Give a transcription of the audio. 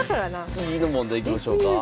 次の問題いきましょうか？